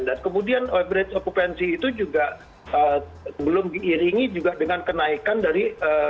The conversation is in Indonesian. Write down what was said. dan kemudian akupensi itu juga belum diiringi dengan kenaikan dari